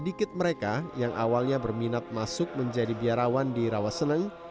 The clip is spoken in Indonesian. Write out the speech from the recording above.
sedikit mereka yang awalnya berminat masuk menjadi biarawan di rawaseneng